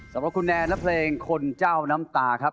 สำหรับคุณแนนและเพลงคนเจ้าน้ำตาครับ